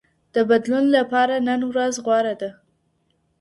د بدلون لپاره نن ورځ غوره ده.